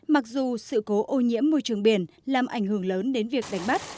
mặc dù sự cố ô nhiễm môi trường biển làm ảnh hưởng lớn đến việc đánh bắt